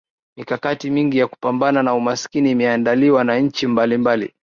Mikakati mingi ya kupambana na umaskini imeandaliwa na nchi mbalimbali